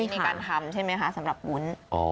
มีการทำใช่ไหมคะสำหรับวุ้น